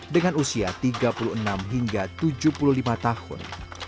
dengan usia tiga puluh enam hingga tujuh puluh lima tahun